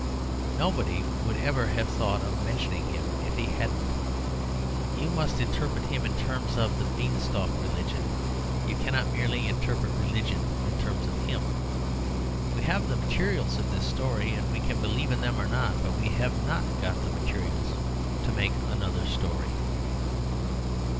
Nobody would ever have thought of mentioning him if he hadn't. You must interpret him in terms of the beanstalk religion; you cannot merely interpret religion in terms of him. We have the materials of this story, and we can believe them or not. But we have not got the materials to make another story."